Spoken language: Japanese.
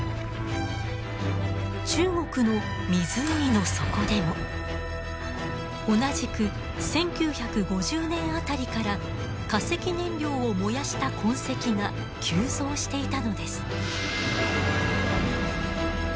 中国の湖の底でも同じく１９５０年辺りから化石燃料を燃やした痕跡が急増していたのです。